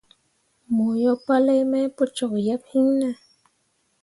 Mo yo palai mai pu cok yeb iŋ ne.